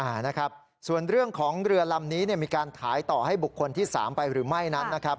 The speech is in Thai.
อ่านะครับส่วนเรื่องของเรือลำนี้เนี่ยมีการขายต่อให้บุคคลที่สามไปหรือไม่นั้นนะครับ